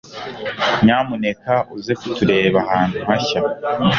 Nyamuneka uze kutureba ahantu hashya.